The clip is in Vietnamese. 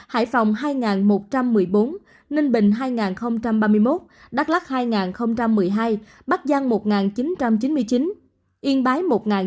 hải phòng hai một trăm một mươi bốn ninh bình hai ba mươi một đắk lắc hai một mươi hai bắc giang một chín trăm chín mươi chín yên bái một chín trăm chín mươi bốn